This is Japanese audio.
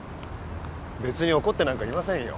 別に怒ってなんかいませんよ。